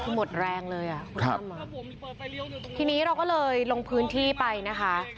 หมดแรงเลยอ่ะครับทีนี้เราก็เลยลงพื้นที่ไปนะคะ